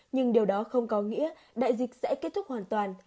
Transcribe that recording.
nhưng điều đó không có nghĩa đại dịch sẽ kết thúc hoàn toàn